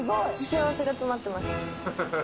幸せが詰まってます。